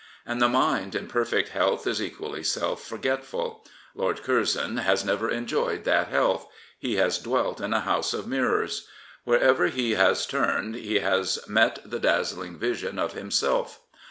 And the mind in perfect health is equally self forgetful. Lord Curzon has never enjoyed that health. He has dwelt in a house of mirrors. Wherever he has turned he has met the dazzling vision of himself.